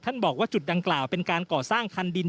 บอกว่าจุดดังกล่าวเป็นการก่อสร้างคันดิน